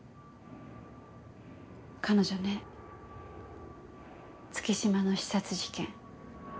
彼女ね月島の刺殺事件